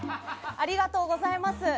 ありがとうございます。